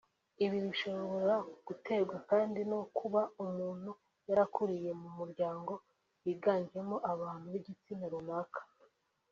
Ibi bishobora guterwa kandi no kuba umuntu yarakuriye mu muryango wiganjemo abantu b’igitsina runaka